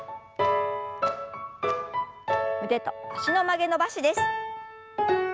腕と脚の曲げ伸ばしです。